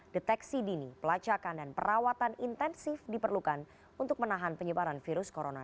deteksi dini pelacakan dan perawatan intensif diperlukan untuk menahan penyebaran virus corona